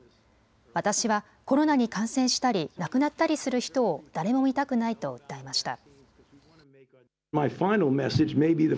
私はコロナに感染したり亡くなったりする人を誰も見たくないと訴えました。